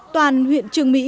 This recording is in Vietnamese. toàn huyện trường mỹ